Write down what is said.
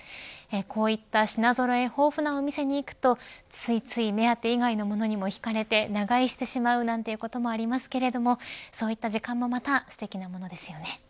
こういった品揃え豊富なお店に行くとついつい目当て以外のものにひかれて長居してしまうなんてこともありますけれどもそういった時間もまたすてきなものですよね。